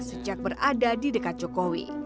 sejak berada di dekat jokowi